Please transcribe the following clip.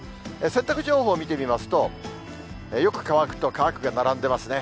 洗濯情報を見てみますと、よく乾くと、乾くが並んでいますね。